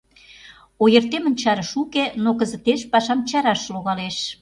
Ойыртемын чарыше уке, но кызытеш пашам чараш логалеш...